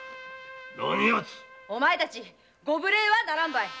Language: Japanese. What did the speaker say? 何やつお前たちご無礼はならんばい